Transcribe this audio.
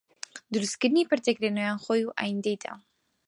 دروستکردنی پردێک لەنێوان خۆی و ئایندەیدا